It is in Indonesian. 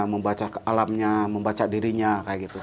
membaca alamnya membaca dirinya kayak gitu